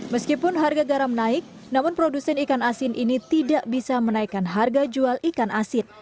meskipun harga garam naik namun produsen ikan asin ini tidak bisa menaikkan harga jual ikan asin